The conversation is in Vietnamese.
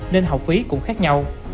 nên học phí cũng khác nhau